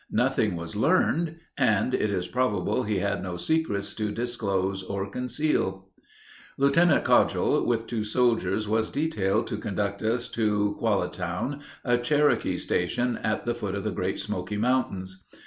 Nothing was learned, and it is probable he had no secrets to disclose or conceal. Lieutenant Cogdill, with two soldiers, was detailed to conduct us to Quallatown, a Cherokee station at the foot of the Great Smoky Mountains.